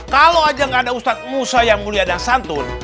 kalau aja nggak ada ustadz musa yang mulia dan santun